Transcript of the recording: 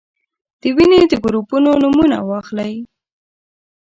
د وینې د ګروپونو نومونه واخلئ.